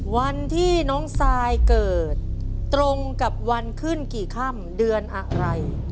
วันที่น้องซายเกิดตรงกับวันขึ้นกี่ค่ำเดือนอะไร